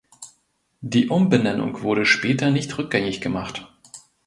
Die Umbenennung wurde später nicht rückgängig gemacht.